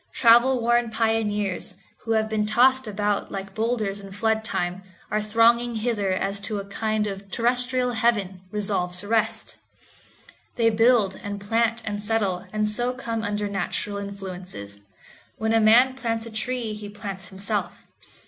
Travel worn pioneers, who have been tossed about like boulders in flood time, are thronging hither as to a kind of a terrestrial heaven, resolved to rest. They build, and plant, and settle, and so come under natural influences. When a man plants a tree he plants himself.